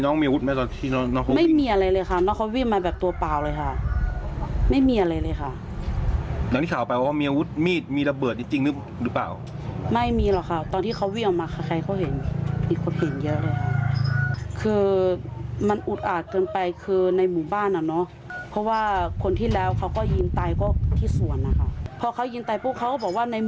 นอชัยพูคนนี้ตาย